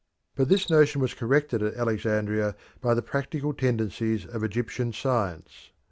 But this notion was corrected at Alexandria by the practical tendencies of Egyptian science.